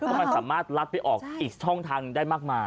เพราะมันสามารถลัดไปออกอีกช่องทางได้มากมาย